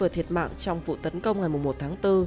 thiệt mạng trong vụ tấn công ngày một tháng bốn